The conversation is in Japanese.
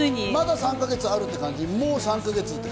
ついに？まだ３か月あるって感じ？